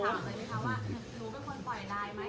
เสียงเขาดูดันไหมคะ